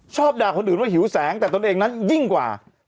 ด่าคนอื่นว่าหิวแสงแต่ตนเองนั้นยิ่งกว่า